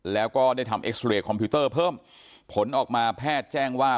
แล้วก็ได้ทำเอ็กซ์เรย์คอมพิวเตอร์เพิ่มผลออกมาแพทย์แจ้งว่า